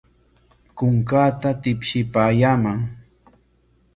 Kunkaata tipshipaayaaman.